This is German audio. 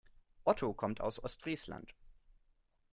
Otto kommt aus Ostfriesland.